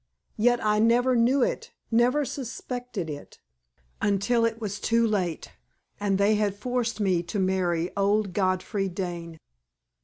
Yet I never knew it, never suspected it, until it was too late, and they had forced me to marry old Godfrey Dane.